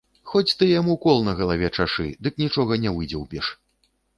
Хоць ты яму кол на галаве чашы, дык нічога не выдзеўбеш.